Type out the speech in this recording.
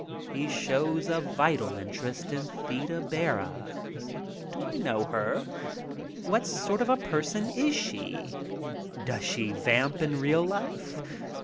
He shows a vital interest in Theda Bara. Do I know her? What sort of a person is she? Does she "vamp" in real life?